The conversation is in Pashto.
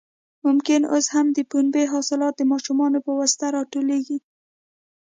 ممکن اوس هم د پنبې حاصلات د ماشومانو په واسطه راټولېږي.